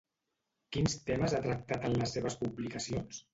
Quins temes ha tractat en les seves publicacions?